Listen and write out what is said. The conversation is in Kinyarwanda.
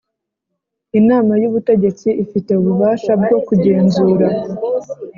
Inama y ubutegetsi ifite ububasha bwo kugenzura